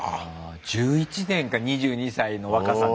１１年か２２歳の若さで。